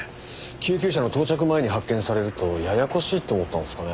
救急車の到着前に発見されるとややこしいと思ったんですかね？